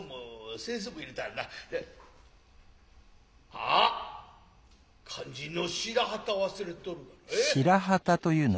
アッ肝腎の白旗忘れとるがな。